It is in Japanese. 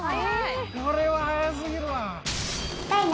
これは早過ぎるわ！